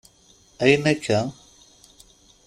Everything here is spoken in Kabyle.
Ayyen akka?